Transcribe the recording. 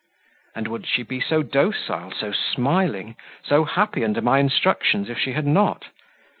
And would she be so docile, so smiling, so happy under my instructions if she had not?